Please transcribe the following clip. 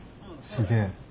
すげえ。